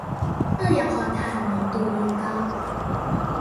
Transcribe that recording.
二氧化碳濃度愈高